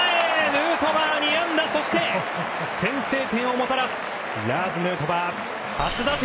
ヌートバー、２安打先制点をもたらすラーズ・ヌートバー初打点！